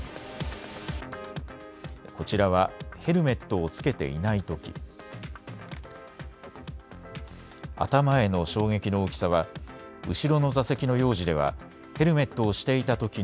こちらはヘルメットをつけていないとき。